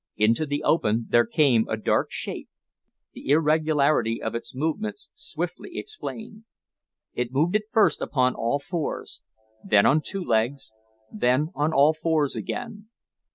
Into the open there came a dark shape, the irregularity of its movements swiftly explained. It moved at first upon all fours, then on two legs, then on all fours again.